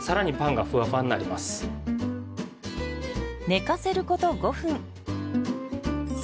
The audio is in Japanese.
寝かせること５分。